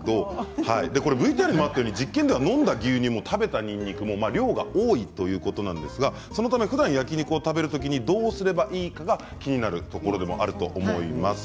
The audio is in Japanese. ＶＴＲにあったように実験で飲んだ牛乳もにんにくも量が多いということなんですが、ふだん焼き肉を食べる時にどうすればいいか気になるところでもあると思います。